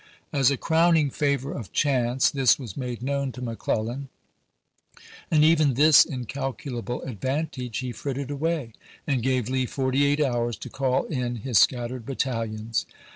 As a crowning favor of chance this was made known to McClellan, and even this incalculable advantage he frittered away, and gave Lee forty eight hours to call in his scattered battal ions.